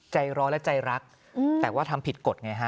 ใจร้อนและใจรักแต่ว่าทำผิดกฎไงฮะ